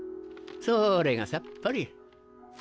それがさっぱり。